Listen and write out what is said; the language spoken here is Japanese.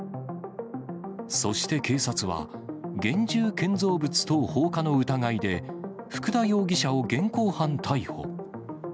そして警察は、現住建造物等放火の疑いで、福田容疑者を現行犯逮捕。